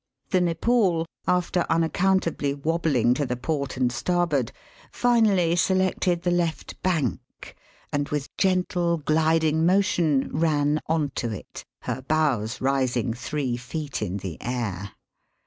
The Nepauly after unaccountahly wohbling to the port and starboard, finally selected the left bank, and with gentle gliding motion ran on to it, her bows rising three feet in the air.